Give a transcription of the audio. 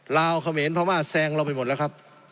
ลาวเขมรพม่าแซงเราไปหมดแล้วครับ